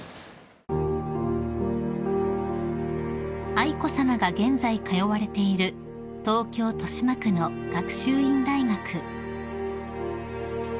［愛子さまが現在通われている東京豊島区の学習院大学］